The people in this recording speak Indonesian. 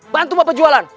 bantu bapak jualan